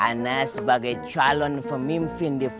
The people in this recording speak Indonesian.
anda sebagai calon pemimpin di